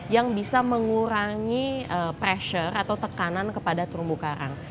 yang bisa mengurangi pressure atau tekanan kepada terumbu karang